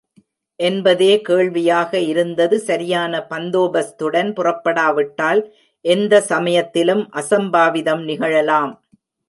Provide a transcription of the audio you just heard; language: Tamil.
என்பதே கேள்வியாக இருந்தது சரியான பந்தோபஸ்துடன் புறப்படாவிட்டால், எந்தசமயத்திலும் அசம்பாவிதம் நிகழலாம்.